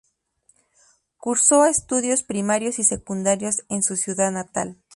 Cursó estudios primarios y secundarios en su ciudad natal.